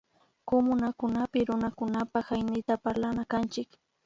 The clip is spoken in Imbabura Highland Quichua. Kumunakunapik Runakunapak Hañiyta parlana kanchik